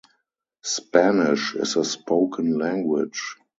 Spanish is a spoken language.